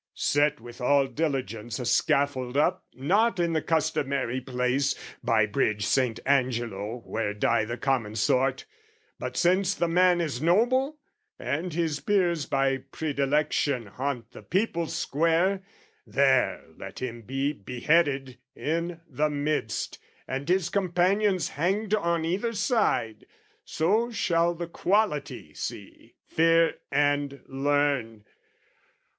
"Set with all diligence a scaffold up, "Not in the customary place, by Bridge "Saint Angelo, where die the common sort; "But since the man is noble, and his peers "By predilection haunt the People's Square, "There let him be beheaded in the midst, "And his companions hanged on either side: "So shall the quality see, fear, and learn.